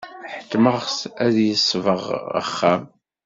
Ḥettmeɣ-t ad yesbeɣ axxam.